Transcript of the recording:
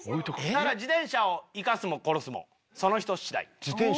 自転車を生かすも殺すもその人次第。